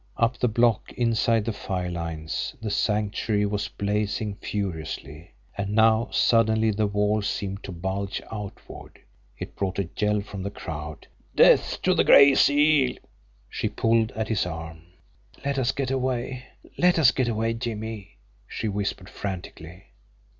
Up the block, inside the fire lines, the Sanctuary was blazing furiously and now suddenly the wall seemed to bulge outward. It brought a yell from the crowd: "Death to the Gray Seal!" She pulled at his arm. "Let us get away! Let us get away, Jimmie!" she whispered frantically.